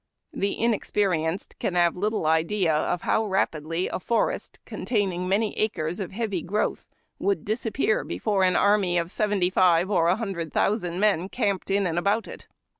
The inexperienced can have little idea of how rapidly a forest containing many acres of heavy growth would disappear before an army of seventy five or a hun dred thousand men camped in and about it.